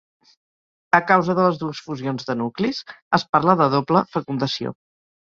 A causa de les dues fusions de nuclis, es parla de doble fecundació.